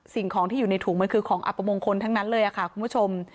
สิ่งของที่อยู่ในถุงมันคือของอัปมงคลทั้งนั้นเลยค่ะคุณผู้ชม